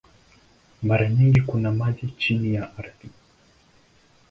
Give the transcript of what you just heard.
Mara nyingi kuna maji chini ya ardhi.